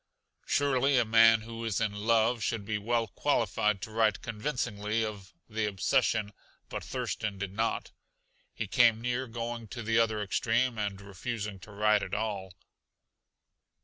Surely a man who is in love should be well qualified to write convincingly of the obsession but Thurston did not. He came near going to the other extreme and refusing to write at all.